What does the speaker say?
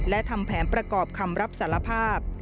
และทำแผนประกอบคำรับสารภาพ